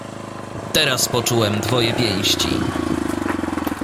"Teraz poczułem twoje pięści."